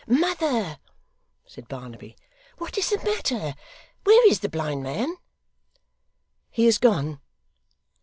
'Mother!' said Barnaby. 'What is the matter? Where is the blind man?' 'He is gone.